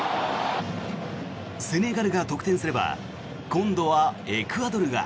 セネガルが得点すれば今度はエクアドルが。